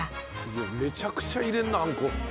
めちゃくちゃ入れるなあんこ。